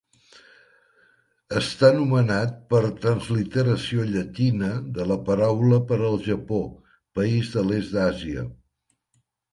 Està nomenat per transliteració llatina de la paraula per al Japó, país de l'est d'Àsia.